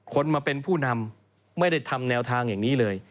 คนมาเป็นผู้นำไม่ได้ทำแนวทางอย่างนี้เลย